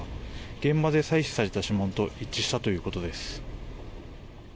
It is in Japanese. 現場で採取された指紋と一致したということです。